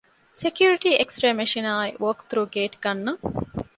ސެކިޔުރިޓީ އެކްސްރޭ މެޝިނާއި ވޯކްތުރޫ ގޭޓް ގަންނަން